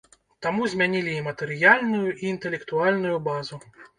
Таму змянялі і матэрыяльную, і інтэлектуальную базу.